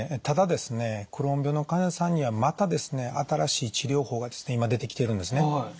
ただですねクローン病の患者さんにはまたですね新しい治療法がですね今出てきているんですね。